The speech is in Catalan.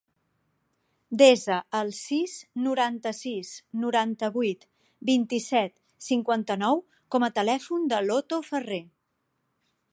Desa el sis, noranta-sis, noranta-vuit, vint-i-set, cinquanta-nou com a telèfon de l'Oto Ferrer.